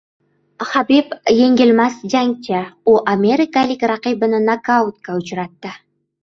Habib – yengilmas jangchi! U amerikalik raqibini nokautga uchratdi